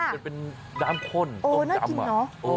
มันเป็นด้ามข้นต้มจำโอ๊ยน่ากินนอ